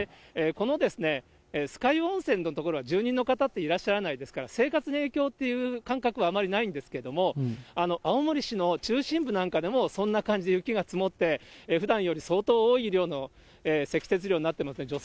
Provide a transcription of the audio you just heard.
この酸ヶ湯温泉の所は住人の方っていらっしゃらないですから、生活に影響っていう感覚はあまりないんですけれども、青森市の中心部なんかでも、そんな感じで雪が積もって、ふだんより相当多い量の積雪量になってますね。